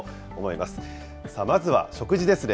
まずは食事ですね。